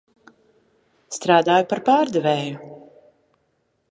Strādāju par pārdevēju.